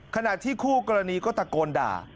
ขณะที่คู่กรณีก็ตะโกนด่า